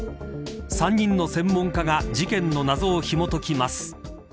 ３人の専門家が事件の謎をひもときます。